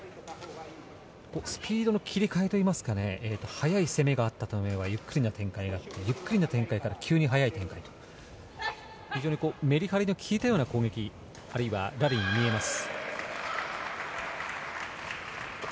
スピードの切り替えといいますか速い攻めがあったあとゆっくりな展開があってゆっくりな展開から急に早い展開と非常にメリハリの利いたような攻撃、ラリーに見えます。